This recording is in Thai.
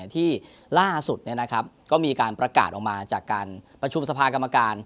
ที่ล่าสุดก็มีการประกาศออกมาจากการประชุมสภากรรมการ